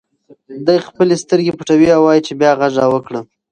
دی خپلې سترګې پټوي او وایي چې بیا غږ راوکړه.